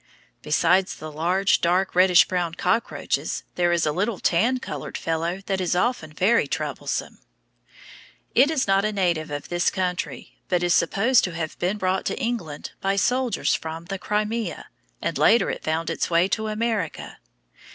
Besides the large, dark, reddish brown cockroaches there is a little tan colored fellow that is often very troublesome. It is not a native of this country, but is supposed to have been brought to England by soldiers from the Crimea, and later it found its way to America.